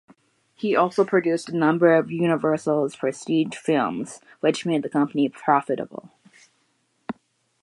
He also produced a number of Universal's prestige films, which made the company profitable.